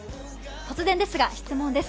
突然ですが質問です。